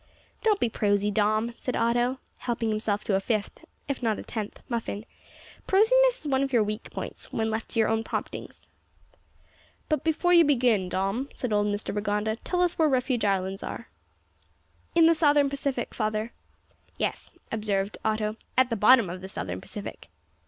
"Don't be prosy, Dom," said Otto, helping himself to a fifth, if not a tenth, muffin. "Prosiness is one of your weak points when left to your own promptings." "But before you begin, Dom," said old Mr Rigonda, "tell us where Refuge Islands are." "In the Southern Pacific, father." "Yes," observed Otto; "at the bottom of the Southern Pacific."